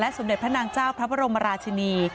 สมเด็จพระนางเจ้าพระบรมราชินี